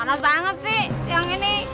aduh panas banget sih siang ini